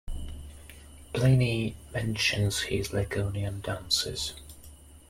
Pliny mentions his "Laconian Dancers".